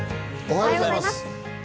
おはようございます。